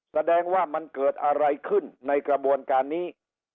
แสดงว่ามันเกิดอะไรขึ้นในกระบวนการนี้